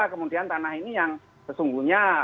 kemudian tanah ini yang sesungguhnya